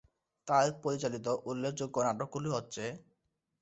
তার পরিচালিত উল্লেখযোগ্য নাটকগুলি হচ্ছে।